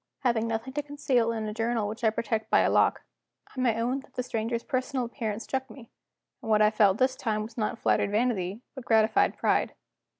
Having nothing to conceal in a journal which I protect by a lock, I may own that the stranger's personal appearance struck me, and that what I felt this time was not flattered vanity, but gratified pride.